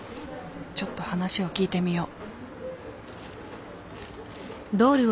ちょっと話を聞いてみよう。